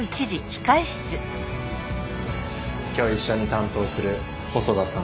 今日一緒に担当する細田さん。